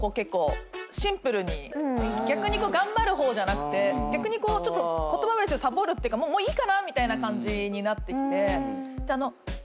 逆に頑張る方じゃなくて言葉悪いですけどサボるっていうかもういいかなみたいな感じになってきて。